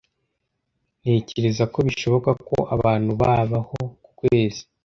Ntekereza ko bishoboka ko abantu babaho ku kwezi.